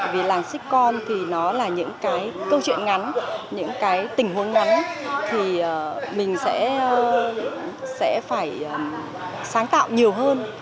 vì làng sitcon thì nó là những cái câu chuyện ngắn những cái tình huống ngắn thì mình sẽ phải sáng tạo nhiều hơn